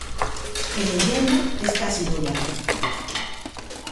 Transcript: En invierno es casi nula.